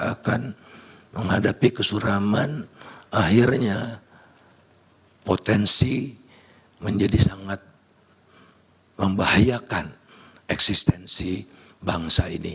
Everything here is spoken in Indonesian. kita akan menghadapi kesuraman akhirnya potensi menjadi sangat membahayakan eksistensi bangsa ini